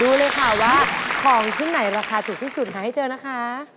รู้เลยค่ะว่าของชิ้นไหนราคาถูกที่สุดค่ะให้เจอนะคะ